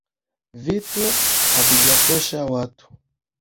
Vitu havijatosha watu